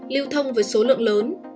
lưu thông với số lượng lớn